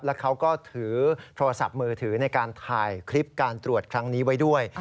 แล้วเขาก็ถือโทรศัพท์มือถือในการถ่ายคลิปการตรวจครั้งนี้ไว้ด้วย